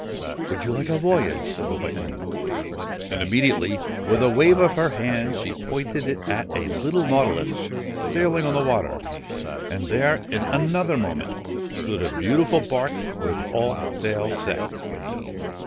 ' Would you like a voyage ?' said the White Woman. And, immediately, with a wave of her wand, she pointed it at a little nautilus sailing on the water, and there, in another moment, stood a beautiful barque with all sail set.